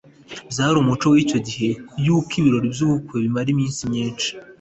Byari umuco w’icyo gihe yuko ibirori by’ubukwe bimara iminsi myinshi